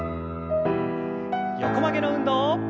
横曲げの運動。